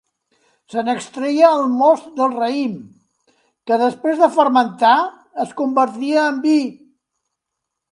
Se n'extreia el most del raïm, que després de fermentar es convertia en vi.